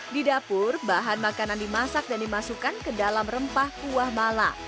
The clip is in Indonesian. di dapur bahan makanan dimasak dan dimasukkan ke dalam rempah kuah mala